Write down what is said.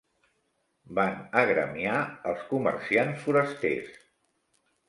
Van agremiar els comerciants forasters.